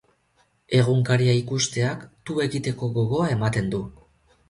Egunkaria ikusteak tu egiteko gogoa ematen du.